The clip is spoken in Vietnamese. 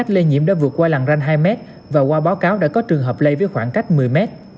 lây nhiễm đã vượt qua làng ranh hai m và qua báo cáo đã có trường hợp lây với khoảng cách một mươi mét